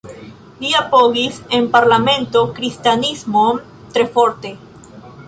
Li apogis en parlamento kristanismon tre forte.